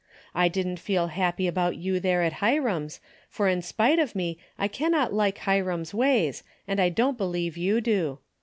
I didn't feel happy about you there at Hiram's, for in spite of me I cannot like Hiram's ways and I don't believ^e you do.